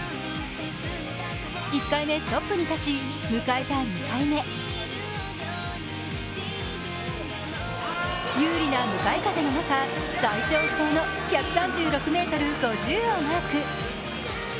１回目トップに立ち、迎えた２回目、有利な向かい風の中、最長不倒の１３６ｍ５０をマーク。